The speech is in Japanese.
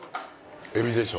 エビでしょ。